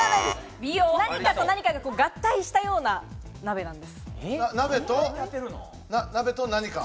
何かと何かが合体したような鍋なんです。